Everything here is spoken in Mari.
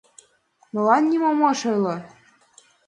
Молан нимом ыш ойло?